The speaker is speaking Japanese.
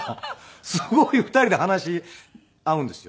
すごい２人で話し合うんですよね。